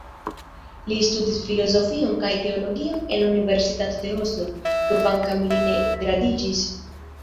Li studis filozofion kaj teologion en la Universitato de Oslo, kvankam li ne gradiĝis.